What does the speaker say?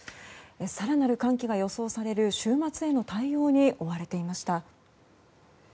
更なる寒気が予想される週末への対応に追われていました。